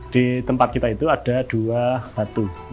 di tempat kita itu ada dua batu